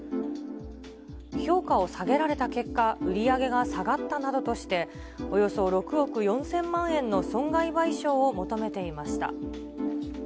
評価を下げられた結果、売り上げが下がったなどとして、およそ６億４０００万円の損害賠償を求めていました。